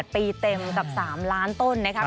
ปีเต็มกับ๓ล้านต้นนะครับ